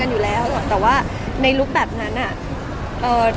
เป็นแฟนค่อนข้างแบบใกล้ใจ